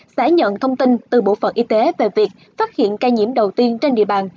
sẽ nhận thông tin từ bộ phận y tế về việc phát hiện ca nhiễm đầu tiên trên địa bàn